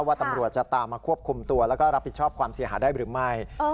ว่าตำรวจจะตามมาควบคุมตัวแล้วก็รับผิดชอบความเสียหายได้หรือไม่